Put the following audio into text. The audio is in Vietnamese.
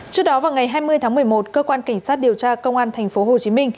trước đó vào ngày hai mươi tháng một mươi một cơ quan cảnh sát điều tra công an tp hcm